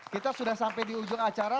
kita sudah sampai di ujung acara